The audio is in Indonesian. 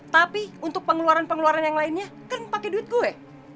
tapi untuk pengeluaran pengeluaran yang lainnya kan pakai duit gue